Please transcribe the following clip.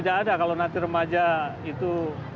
tidak ada kalau nanti remaja itu